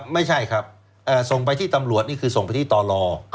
ไม่ใช่ครับส่งไปที่ตำรวจนี่คือส่งไปที่ต่อรอ